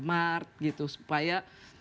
mart gitu supaya